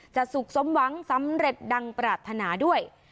สุขสมหวังสำเร็จดังปรารถนาด้วย